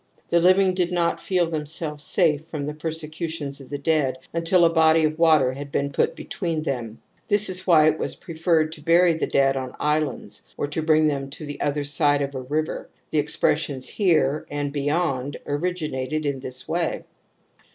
The living did not feel themselves safe from the persecutions of the dead imtil a body of water had been put between them. That is why it was preferred to bury the dead on islands or to bring them to the other side of a river : the expressions ' here * and ' beyond ' originated in this way.